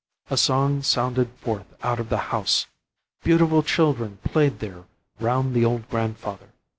A song sounded forth out of the house! Beautiful children played there round the old grandfather.